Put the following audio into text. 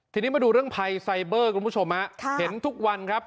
ทีนี้มาดูเรื่องภัยไซเบอร์คุณผู้ชมฮะเห็นทุกวันครับ